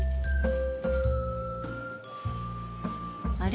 あれ？